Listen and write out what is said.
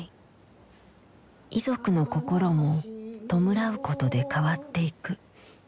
遺族の心も弔うことで変わっていく。